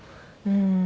うん。